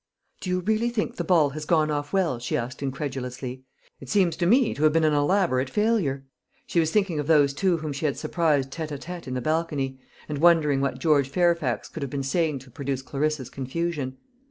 "Do you really think the ball has gone off well?" she asked incredulously. "It seems to me to have been an elaborate failure." She was thinking of those two whom she had surprised tête à tête in the balcony, and wondering what George Fairfax could have been saying to produce Clarissa's confusion.